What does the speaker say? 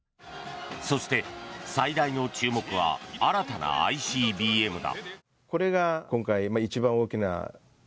そして、最大の注目は新たなＩＣＢＭだ。